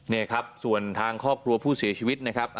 นี่ครับส่วนทางครอบครัวผู้เสียชีวิตนะครับ